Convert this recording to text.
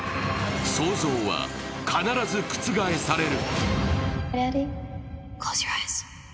想像は必ず覆される。